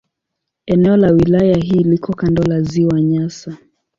Eneo la wilaya hii liko kando la Ziwa Nyasa.